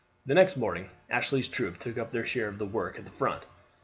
The next morning Ashley's troop took up their share of the work at the front.